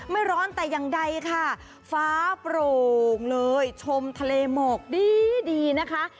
ไม่ร้อนแต่อย่างใดค่ะฟ้าโปร่งเลยชมทะเลหมอกดีดีนะคะ